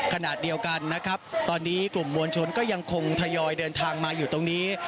ขณะเดียวกันนะครับตอนนี้กลุ่มมวลชนก็ยังคงทยอยเดินทางมาอยู่ตรงนี้